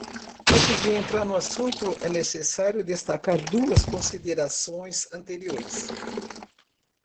Antes de entrar no assunto, é necessário destacar duas considerações anteriores.